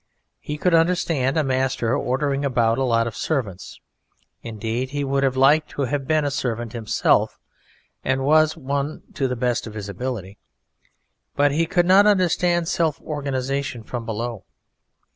He could understand a master ordering about a lot of servants; indeed, he would have liked to have been a servant himself, and was one to the best of his ability; but he could not understand self organization from below.